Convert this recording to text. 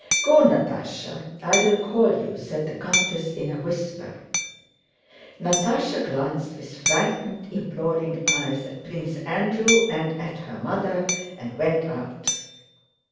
"Go, Natásha! I will call you," said the countess in a whisper. Natásha glanced with frightened imploring eyes at Prince Andrew and at her mother and went out.